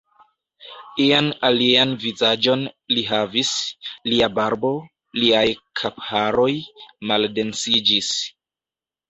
Ian alian vizaĝon li havis, lia barbo, liaj kapharoj maldensiĝis.